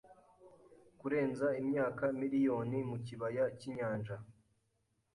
kurenza imyaka miliyoni mukibaya cyinyanja